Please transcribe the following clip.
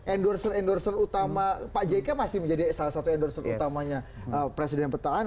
endorser endorser utama pak jk masih menjadi salah satu endorser utamanya presiden petahana